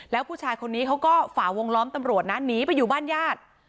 แล้วผู้ชายคนนี้เขาก็ฝ่าวงล้อมตำรวจนะหนีไปอยู่บ้านญาติ